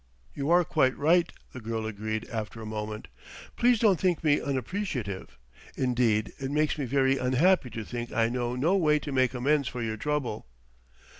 "You are quite right," the girl agreed after a moment. "Please don't think me unappreciative. Indeed, it makes me very unhappy to think I know no way to make amends for your trouble."